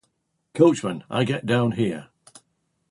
Coachman, I get down here.